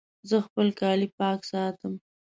زه خپل کالي پاک ساتم.